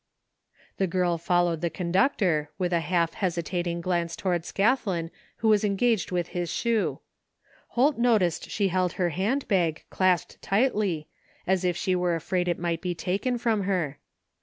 The girl followed the conductor, with a half hesi tating glance toward Scathlin who was engaged with his shoe. Holt noticed she held her hand bag clasped tightly as if she were afraid it might be taken from her.